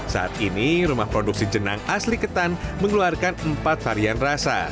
saat ini rumah produksi jenang asli ketan mengeluarkan empat varian rasa